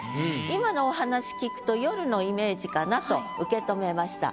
今のお話聞くと夜のイメージかなと受け止めました。